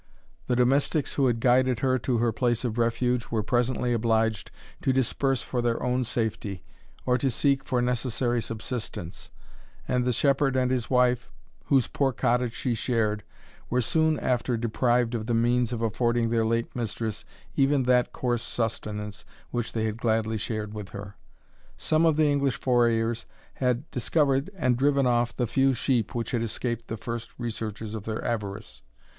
The domestics who had guided her to her place of refuge, were presently obliged to disperse for their own safety, or to seek for necessary subsistence; and the shepherd and his wife, whose poor cottage she shared, were soon after deprived of the means of affording their late mistress even that coarse sustenance which they had gladly shared with her. Some of the English forayers had discovered and driven off the few sheep which had escaped the first researches of their avarice.